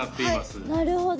なるほど。